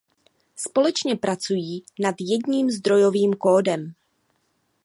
Společně pracují nad jedním zdrojovým kódem.